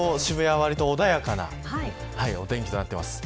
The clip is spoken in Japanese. わりと穏やかなお天気となっています。